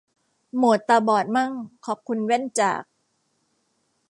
โหมดตาบอดมั่ง ขอบคุณแว่นจาก